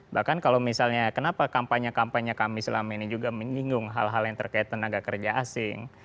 bahkan kalau misalnya kenapa kampanye kampanye kami selama ini juga menyinggung hal hal yang terkait tenaga kerja asing